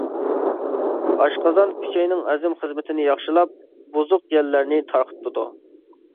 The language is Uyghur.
ئاشقازان-ئۈچەينىڭ ھەزىم خىزمىتىنى ياخشىلاپ بۇزۇق يەللەرنى تارقىتىدۇ.